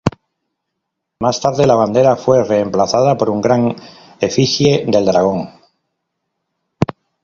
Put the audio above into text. Más tarde, la bandera fue reemplazada por un gran efigie del dragón.